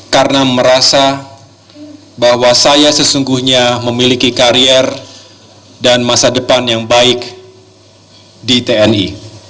karena merasa bahwa saya sesungguhnya memiliki karier dan masa depan yang baik di tni